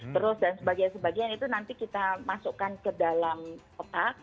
terus dan sebagainya sebagainya itu nanti kita masukkan ke dalam kotak